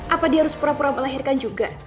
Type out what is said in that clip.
apa dia harus pura pura melahirkan juga